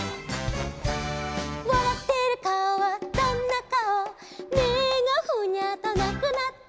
「わらってるかおはどんなかお」「目がフニャーとなくなって」